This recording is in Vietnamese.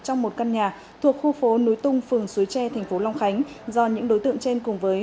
trong một căn nhà thuộc khu phố núi tung phường suối tre thành phố long khánh do những đối tượng trên cùng với